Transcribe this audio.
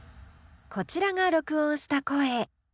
こちらが録音した声。